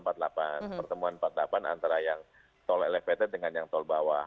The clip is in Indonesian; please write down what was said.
pertemuan empat puluh delapan antara yang tol elevated dengan yang tol bawah